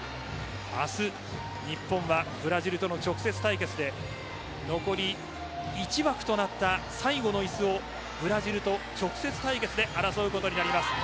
明日日本はブラジルとの直接対決で残り１枠となった最後のいすをブラジルと直接対決で争うことになります。